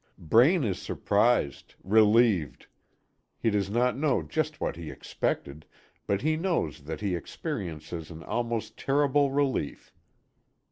Braine is surprised, relieved. He does not know just what he expected, but he knows that he experiences an almost terrible relief.